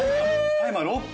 タイマー６分。